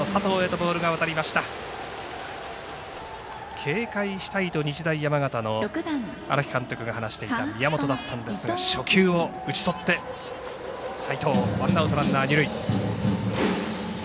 警戒したいと日大山形の荒木監督が話していた宮本だったんですが初球を打ちとって齋藤ワンアウト、ランナー、二塁。